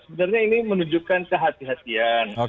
sebenarnya ini menunjukkan kehati hatian